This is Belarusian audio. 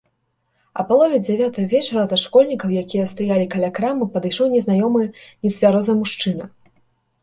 А палове дзявятай вечара да школьнікаў, якія стаялі каля крамы, падышоў незнаёмы нецвярозы мужчына.